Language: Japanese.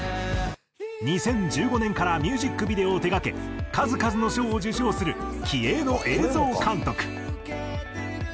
２０１５年からミュージックビデオを手がけ数々の賞を受賞する気鋭の映像監督。